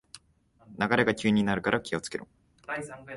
流れが急になるから気をつけろ